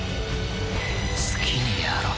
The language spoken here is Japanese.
好きにやろう。